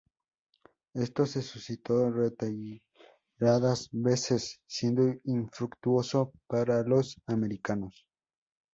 Esto se suscitó reiteradas veces siendo infructuoso para los americanos.